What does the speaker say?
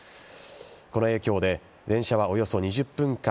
この影響で電車はおよそ２０分間